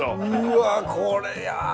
うわっこれいや。